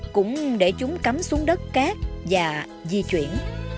cũng để chúng cắm xuống đất cát và di chuyển